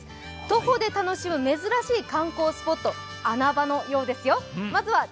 徒歩で楽しむ珍しい観光スポット、穴場のようですよ、まずはｔｂｃ